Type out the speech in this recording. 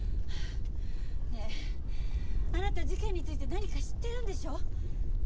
ねえあなた事件について何か知ってるんでしょ？